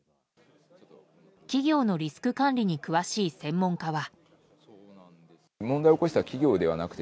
企業のリスク管理に詳しい専門家は。